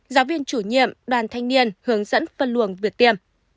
giáo viên chủ nhiệm đoàn thanh niên hướng dẫn phân luồng việc tiêm